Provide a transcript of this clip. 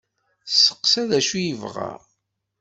Testeqsa d acu i yebɣa.